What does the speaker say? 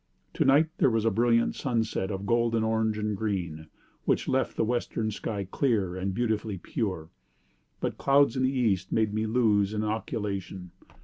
To night there was a brilliant sunset of golden orange and green, which left the western sky clear and beautifully pure; but clouds in the east made me lose an occultation.